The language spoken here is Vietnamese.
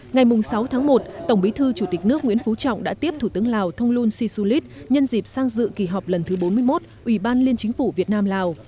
ngày sáu tháng một tổng bí thư chủ tịch nước nguyễn phú trọng đã tiếp thủ tướng lào thông luân si su lít nhân dịp sang dự kỳ họp lần thứ bốn mươi một ủy ban liên chính phủ việt nam lào